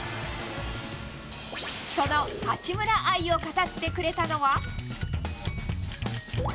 その八村愛を語ってくれたのは。